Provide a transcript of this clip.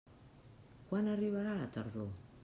Quan arribarà la tardor?